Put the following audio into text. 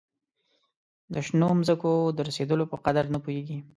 د شنو مځکو د رسېدلو په قدر نه پوهیږي.